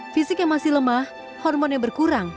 fisik yang masih lemah hormon yang berkurang